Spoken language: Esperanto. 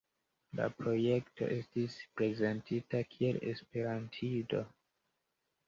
La projekto estis prezentita kiel esperantido.